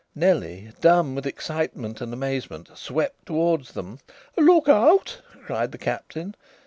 Nellie, dumb with excitement and amazement, swept towards them. "Look out!" cried the Captain.